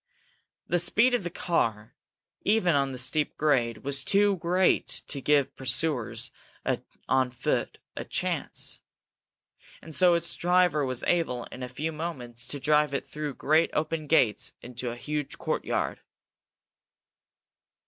The speed of the car, even on the steep grade, was too great to give pursuers on foot a chance, and so its driver was able, in a few moments, to drive it through great open gates into a huge courtyard.